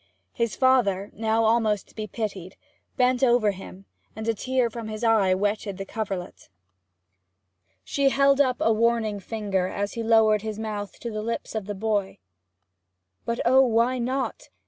His father, now almost to be pitied, bent over him, and a tear from his eye wetted the coverlet. She held up a warning finger as he lowered his mouth to the lips of the boy. 'But oh, why not?'